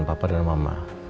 papa dan mama